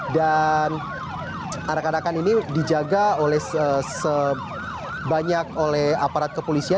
dan arak arakan ini dijaga oleh sebanyak oleh aparat kepolisian